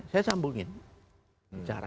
saya sambungin bicara